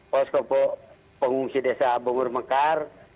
poskopo pengungsi desa bungur mekar